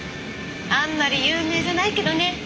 あんまり有名じゃないけどね。